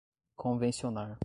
convencionar